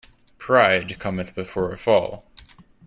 Pride cometh before a fall.